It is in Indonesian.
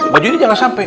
baju ini jangan sampai